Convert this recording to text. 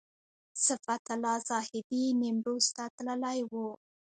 صفت الله زاهدي نیمروز ته تللی و.